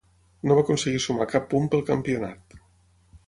No va aconseguir sumar cap punt pel campionat.